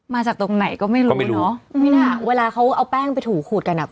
มาจากตรงไหนก็ไม่รู้เนอะไม่น่าเวลาเขาเอาแป้งไปถูขูดกันอ่ะ